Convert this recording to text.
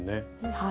はい。